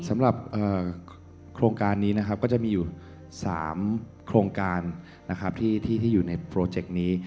สำหรับโครงการนี้นะครับก็จะมีอยู่๓โครงการนะครับที่อยู่ในโปรเจกต์นี้